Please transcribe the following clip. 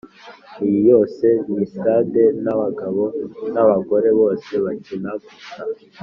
isi yose ni stade, nabagabo nabagore bose bakina gusa.